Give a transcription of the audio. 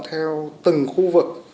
theo từng khu vực